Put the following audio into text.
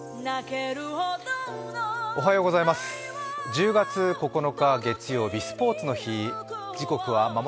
１０月９日月曜日、スポーツの日。